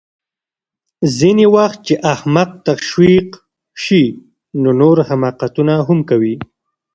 ځینې وخت چې احمق تشویق شي نو نور حماقتونه هم کوي